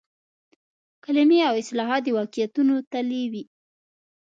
کلمې او اصطلاحات د واقعیتونو تالي وي.